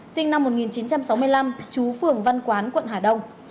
sinh năm một nghìn chín trăm sáu mươi năm chú phường văn quán quận hà đông